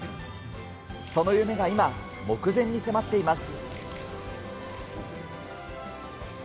その夢が今、目前に迫っています。